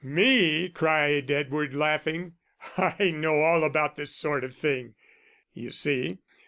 "Me?" cried Edward, laughing. "I know all about this sort of thing, you see.